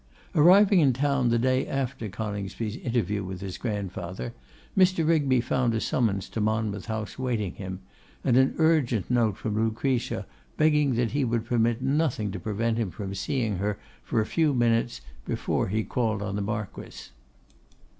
Arriving in town the day after Coningsby's interview with his grandfather, Mr. Rigby found a summons to Monmouth House waiting him, and an urgent note from Lucretia begging that he would permit nothing to prevent him seeing her for a few minutes before he called on the Marquess.